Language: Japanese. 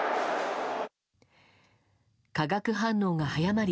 化学反応が早まり